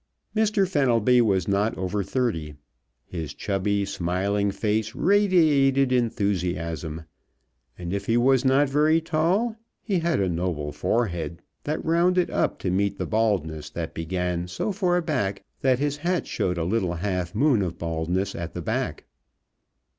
Mr. Fenelby was not over thirty. His chubby, smiling face radiated enthusiasm, and if he was not very tall he had a noble forehead that rounded up to meet the baldness that began so far back that his hat showed a little half moon of baldness at the back.